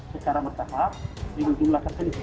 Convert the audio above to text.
secara bersahab dihubunglah terkenik